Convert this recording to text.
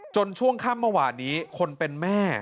จนช่วงข้ามมหวานนี้คนเป็นแม่